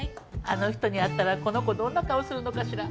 あの人に会ったらこの子どんな顔するのかしら？